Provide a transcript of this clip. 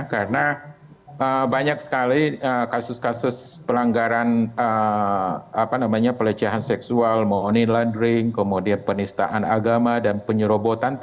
karena banyak sekali kasus kasus pelanggaran pelecehan seksual money laundering kemudian penistaan agama dan penyerobotan